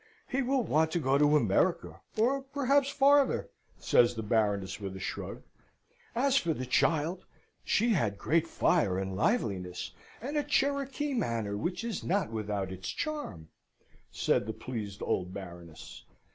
"He will want to go to America, or perhaps farther," says the Baroness, with a shrug. "As for the child, she had great fire and liveliness, and a Cherokee manner which is not without its charm," said the pleased old Baroness.